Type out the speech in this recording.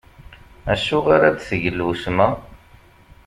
Acu ara d-teg lwesma?